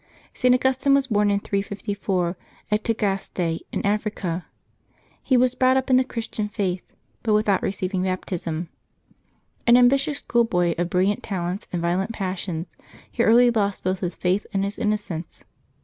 @T. Augustine was born in 354, at Tagaste in Africa. He was brought "up in the Christian faith, but with out receiving baptism. An ambitious school boy of bril liant talents and violent passions, he early lost both his faith and his innocence.